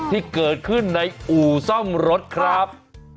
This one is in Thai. ที่เกิดขึ้นในอู่ซ่อมรถครับ